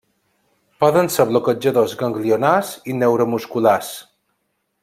Poden ser bloquejadors ganglionars i neuromusculars.